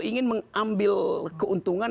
ingin mengambil keuntungan